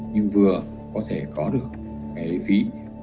nhưng vừa có thể có được cái phí